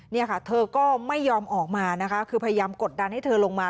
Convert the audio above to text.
เนี่ยค่ะเธอก็ไม่ยอมออกมานะคะคือพยายามกดดันให้เธอลงมา